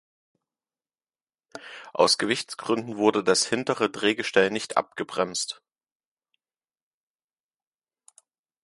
Aus Gewichtsgründen wurde das hintere Drehgestell nicht abgebremst.